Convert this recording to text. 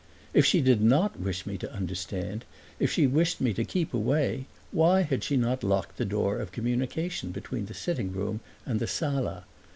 If she did not wish me to understand, if she wished me to keep away, why had she not locked the door of communication between the sitting room and the sala?